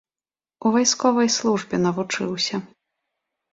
У вайсковай службе навучыўся.